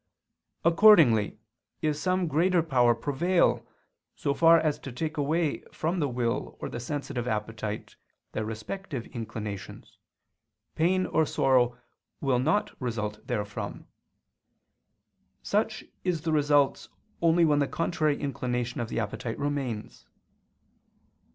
Accordingly if some greater power prevail so far as to take away from the will or the sensitive appetite, their respective inclinations, pain or sorrow will not result therefrom; such is the result only when the contrary inclination of the appetite remains.